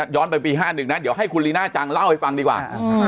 ย้อนไปปี๕๑นะเดี๋ยวให้คุณลีน่าจังเล่าให้ฟังดีกว่า